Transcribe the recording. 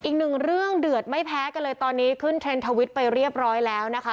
อีกหนึ่งเรื่องเดือดไม่แพ้กันเลยตอนนี้ขึ้นเทรนด์ทวิตไปเรียบร้อยแล้วนะคะ